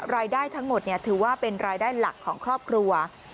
รายได้ทั้งหมดถือว่าเป็นรายได้หลักของครอบครัว